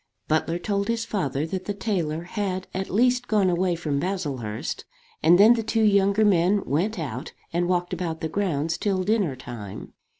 Butler told his father that the tailor had at least gone away from Baslehurst; and then the two younger men went out and walked about the grounds till dinner time.